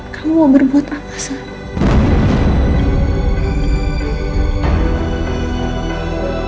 kamu mau berbuat apa saja